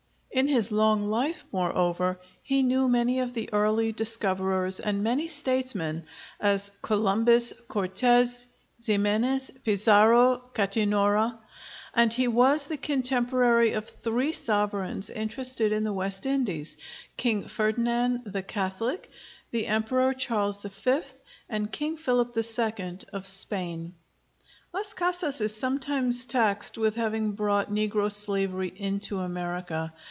In his long life, moreover, he knew many of the early discoverers and many statesmen, as Columbus, Cortes, Ximenes, Pizarro, Gattinora, and he was the contemporary of three sovereigns interested in the West Indies, King Ferdinand the Catholic, the Emperor Charles V., and King Philip II. of Spain. Las Casas is sometimes taxed with having brought negro slavery into America.